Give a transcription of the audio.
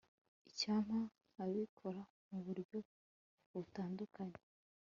icyampa nkabikora muburyo butandukanye